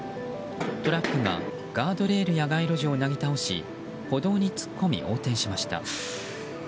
トラックがガードレールや街路樹をなぎ倒し歩道に突っ込み、横転しました。